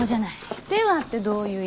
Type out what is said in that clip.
「しては」ってどういう意味よ。